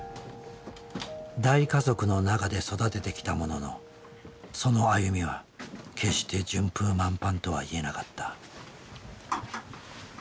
大家族の中で育ててきたもののその歩みは決して順風満帆とは言えなかった。